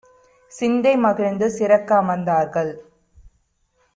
சிந்தை மகிழ்ந்து சிறக்க அமர்ந்தார்கள்.